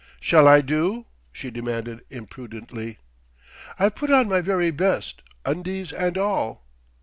"Shall I do?" she demanded impudently. "I've put on my very best, undies and all."